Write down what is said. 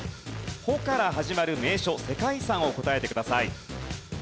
「ホ」から始まる名所・世界遺産を答えてください。